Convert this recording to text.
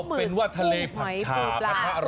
เอาเป็นว่าทะเลผัดฉาผัดหรอ